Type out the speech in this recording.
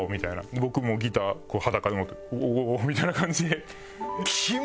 僕もギター裸で持って「おおおお」みたいな感じで。